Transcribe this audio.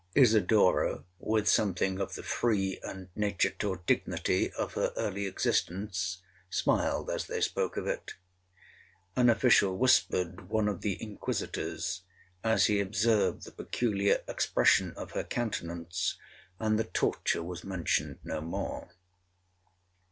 Isidora, with something of the free and nature taught dignity of her early existence, smiled as they spoke of it. An official whispered one of the inquisitors, as he observed the peculiar expression of her countenance, and the torture was mentioned no more.